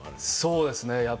そうですね。